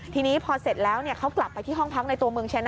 ทีนี้พอเสร็จแล้วเขากลับไปที่ห้องพักในตัวเมืองชนะ